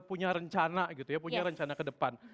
punya rencana gitu ya punya rencana ke depan